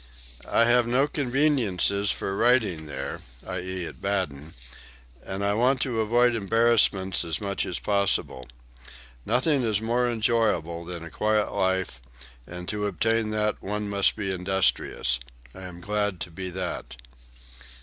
"I have no conveniences for writing there (i.e. at Baden), and I want to avoid embarrassments as much as possible. Nothing is more enjoyable than a quiet life and to obtain that one must be industrious. I am glad to be that."